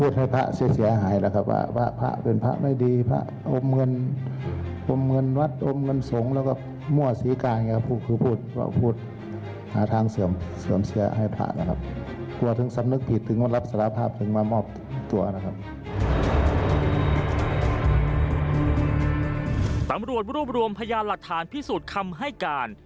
ตำรวจรวบรวมพยานหลักฐานพิสูจน์คำให้การ